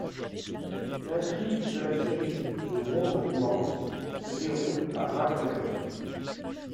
L'intrigue de la série The Wrong Mans se déroule à Bracknell.